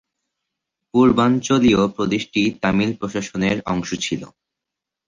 পূর্বাঞ্চলীয় প্রদেশটি তামিল প্রশাসনের অংশ ছিল।